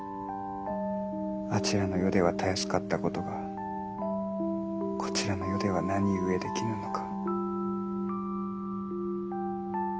あちらの世ではたやすかったことがこちらの世では何故できぬのか。